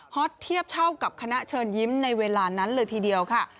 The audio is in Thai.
เทียบเท่ากับคณะเชิญยิ้มในเวลานั้นเลยทีเดียวค่ะ